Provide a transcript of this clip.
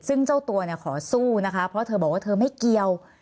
ซึ่งเจ้าตัวเนี่ยขอสู้นะคะเพราะเธอบอกว่าเธอไม่เกี่ยว